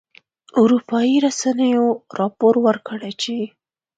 اروپایي رسنیو راپور ورکړی چې